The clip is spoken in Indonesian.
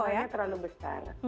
bersihnya terlalu besar